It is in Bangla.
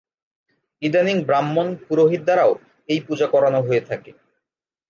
ইদানীং ব্রাহ্মণ পুরোহিত দ্বারাও এই পূজা করানো হয়ে থাকে।